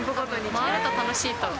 回ると楽しいと。